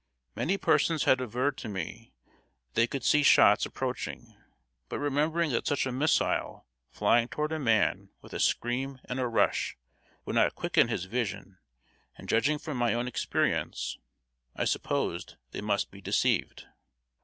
Many persons had averred to me that they could see shots approaching; but remembering that such a missile flying toward a man with a scream and a rush would not quicken his vision, and judging from my own experience, I supposed they must be deceived.